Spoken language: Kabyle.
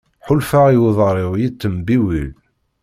Ḥulfaɣ i uḍar-iw yettembiwil.